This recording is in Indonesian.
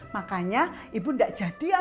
makanya ibu gak jadikan